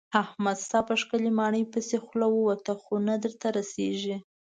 احمد ستا په ښکلې ماڼۍ پسې خوله ووته خو نه درته رسېږي.